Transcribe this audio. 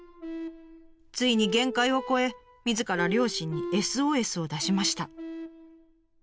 ついに限界を超えみずから両親にＳＯＳを出しました。